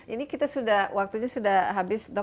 ini kita sudah waktunya sudah habis dok